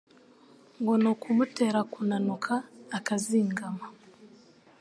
ngo ni ukumutera kunanuka akazingama